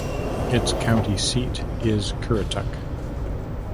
Its county seat is Currituck.